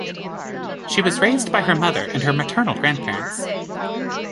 She was raised by her mother and her maternal grandparents.